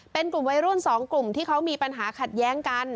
เป็นกลุ่มวัยรุ่น๒กลุ่มที่เขามีปัญหาขัดแย้งกัน